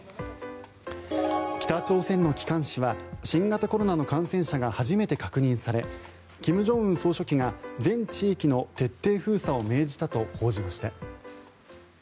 北朝鮮の機関紙は新型コロナの感染者が初めて確認され金正恩総書記が全地域の徹底封鎖を命じたと報じました。